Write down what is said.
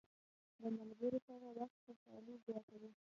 د ملګرو سره وخت خوشحالي زیاته وي.